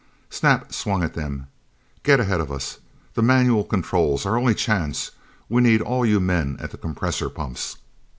Snap swung at them. "Get ahead of us! The manual controls our only chance we need all you men at the compressor pumps!"